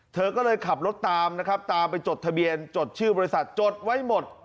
เธอก็เลยขับรถตามนะครับตามไปจดทะเบียนจดชื่อบริษัทจดไว้หมด